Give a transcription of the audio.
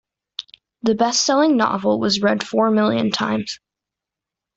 The bestselling novel was read four million times.